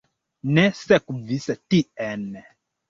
Ni sekvis tien.